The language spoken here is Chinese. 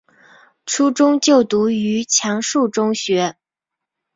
初中就读于强恕中学。